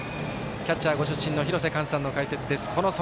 キャッチャーご出身の廣瀬寛さんの解説です。